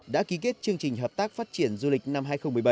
đã ký kết chương trình hợp tác phát triển du lịch năm hai nghìn một mươi bảy